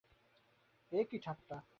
এ কি ঠাট্টা।